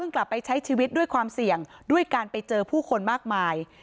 การใช้ความเสี่ยงด้วยการไปเจอผู้คนมากมาย